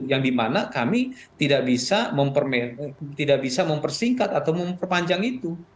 yang dimana kami tidak bisa mempersingkat atau memperpanjang itu